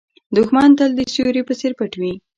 دښمن تل د سیوري په څېر پټ وي